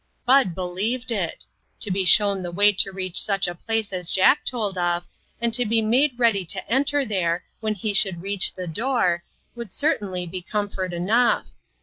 Bud believed it. To be shown the way to reach such a place as Jack told of, and to be made ready to enter there when he should reach the door, would certainly be comfort enough.